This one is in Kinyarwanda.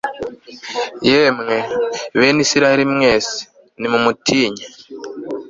yemwe, bene israheli mwese, nimumutinye